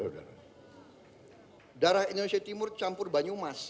darah indonesia timur campur banyumas